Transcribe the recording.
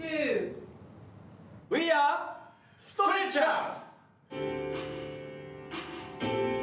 ウィー・アー・ストレッチャーズ。